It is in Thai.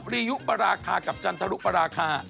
ริยุปราคากับจันทรุปราคา